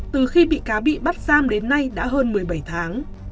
từ khi bị cá bị bắt giam đến nay đã hơn một mươi bảy tháng